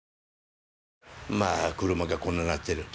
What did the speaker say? まあ車がこんなんなってる。